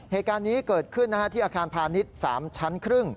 เหตุการณ์นี้เกิดขึ้นที่อาคารพาณิชย์๓ชั้นครึ่ง